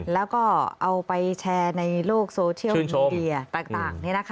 แล้วก็เอาไปแชร์ในโลกโซเชียลมีเดียต่าง